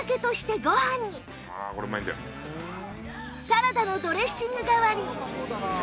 サラダのドレッシング代わりに